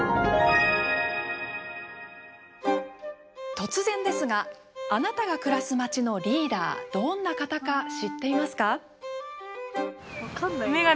突然ですがあなたが暮らすまちの“リーダー”どんな方か知っていますか？